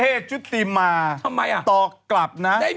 เอ๊ชุติมาต่อกลับนะทำไมหรอ